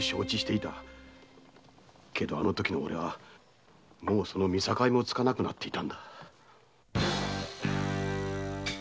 けどあのときの俺はもうその見境もつかなくなっていた。